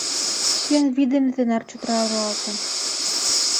Кӧн вий дене тынар чодыра руалтын?..